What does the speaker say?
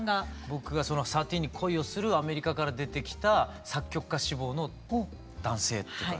僕がそのサティーンに恋をするアメリカから出てきた作曲家志望の男性っていうか。